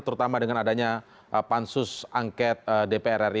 terutama dengan adanya pansus angket dprr